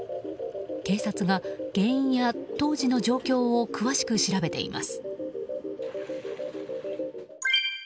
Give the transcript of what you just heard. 警察が原因や当時の状況を詳しく調べています。